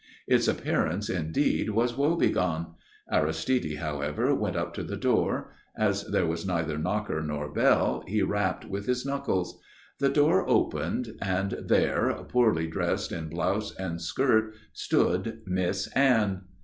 Its appearance, indeed, was woe begone. Aristide, however, went up to the door; as there was neither knocker nor bell, he rapped with his knuckles. The door opened, and there, poorly dressed in blouse and skirt, stood Miss Anne.